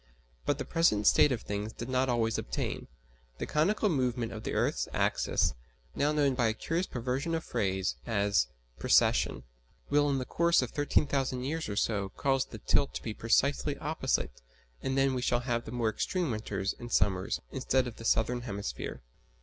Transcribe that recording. But the present state of things did not always obtain. The conical movement of the earth's axis (now known by a curious perversion of phrase as "precession") will in the course of 13,000 years or so cause the tilt to be precisely opposite, and then we shall have the more extreme winters and summers instead of the southern hemisphere.